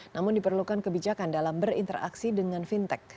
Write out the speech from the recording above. namun diperlukan kebijakan dalam berinteraksi dengan fintech